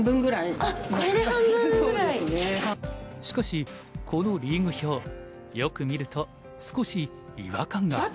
しかしこのリーグ表よく見ると少し違和感が。